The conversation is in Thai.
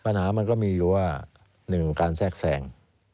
มันก็มีอยู่ว่าหนึ่งการแทรกแทรง